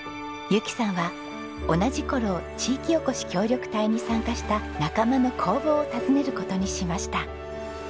由紀さんは同じ頃地域おこし協力隊に参加した仲間の工房を訪ねる事にしました。